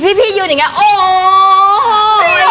พี่ยืนอย่างนี้โอ้โห